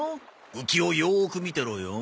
浮きをよーく見てろよ。